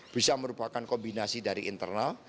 bisa merupakan kombinasi dari internal